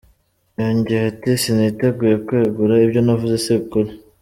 Yongeye ati “Siniteguye kwegura, ibyo navuze si ukuri.